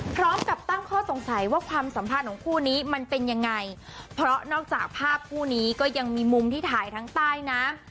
พร้อมกับตั้งข้อสงสัยว่าความสัมพันธ์ของคู่นี้มันเป็นยังไงเพราะนอกจากภาพคู่นี้ก็ยังมีมุมที่ถ่ายทั้งใต้น้ำ